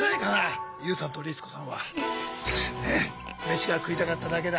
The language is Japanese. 「飯が食いたかっただけだ」